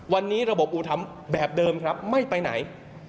วันนี้ระบบอุธรรมแบบเดิมครับไม่ไปไหน